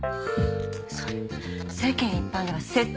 それ世間一般では窃盗。